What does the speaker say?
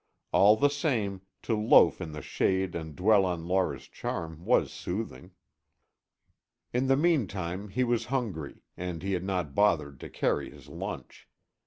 All the same, to loaf in the shade and dwell on Laura's charm was soothing. In the meantime, he was hungry, and he had not bothered to carry his lunch.